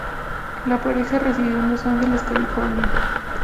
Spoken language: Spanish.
La pareja residió en Los Ángeles, California.